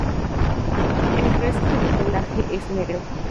El resto del pelaje es negro.